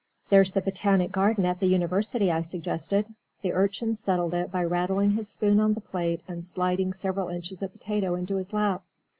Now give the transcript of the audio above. "There's the botanic garden at the University," I suggested. The Urchin settled it by rattling his spoon on the plate and sliding several inches of potato into his lap.